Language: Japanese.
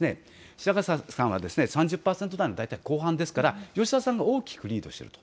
白坂さんは３０％台の大体後半ですから吉田さんが大きくリードしています。